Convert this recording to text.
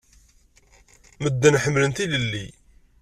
Medden ḥemmlen tilelli.